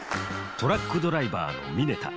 トラックドライバーの峯田。